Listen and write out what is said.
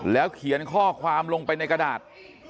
เขียนข้อความลงไปในกระดาษ